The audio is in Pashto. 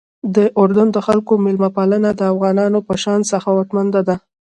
د اردن د خلکو میلمه پالنه د افغانانو په شان سخاوتمندانه ده.